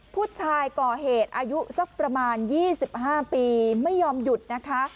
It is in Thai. ผู้ก่อเหตุอายุสักประมาณ๒๕ปีไม่ยอมหยุดนะคะ